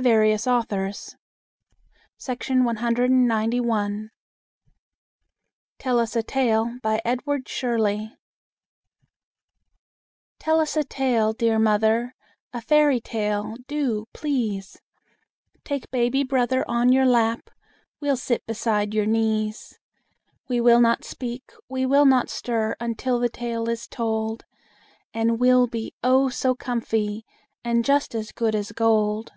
TALES FOR TINY TOTS TELL US A TALE BY EDWARD SHIRLEY "Tell us a tale, dear mother A fairy tale, do, please, Take baby brother on your lap, We'll sit beside your knees, We will not speak, we will not stir, Until the tale is told; And we'll be, oh! so comfy, And just as good as gold."